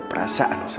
kebelin banget sih